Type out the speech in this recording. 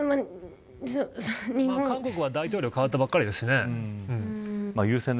韓国は大統領代わったばかりですね。